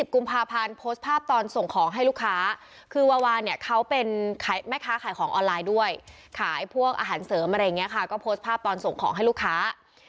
กุมภาพันธ์โพสต์ภาพตอนส่งของให้ลูกค้าคือวาวาเนี่ยเขาเป็นแม่ค้าขายของออนไลน์ด้วยขายพวกอาหารเสริมอะไรอย่างนี้ค่ะก็โพสต์ภาพตอนส่งของให้ลูกค้า